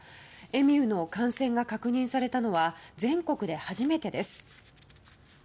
エミューの感染が確認されたのは全国で初めてです。